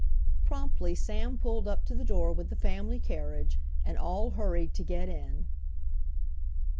Promptly Sam pulled up to the door with the family carriage, and all hurried to get in.